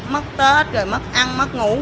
mất tết rồi mất ăn mất ngủ